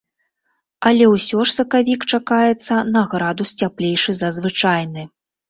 Але ўсё ж сакавік чакаецца на градус цяплейшы за звычайны.